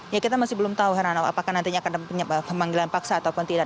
ya kita masih belum tahu herano apakah nantinya akan ada pemanggilan paksa ataupun tidak